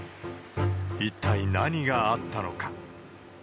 一体何があったのか。